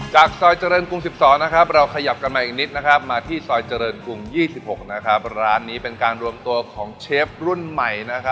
ซอยเจริญกรุง๑๒เราขยับกันมาอีกนิดมาที่ซอยเจริญกรุง๒๖ร้านนี้เป็นการรวมตัวของเชฟรุ่นใหม่